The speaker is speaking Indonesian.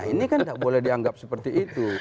ini kan tidak boleh dianggap seperti itu